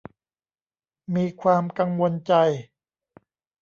มีความกังวลใจ